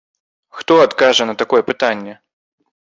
Хто адкажа на такое пытанне?!